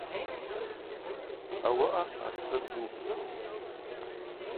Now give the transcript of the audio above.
Ауаъа асы дупӏ.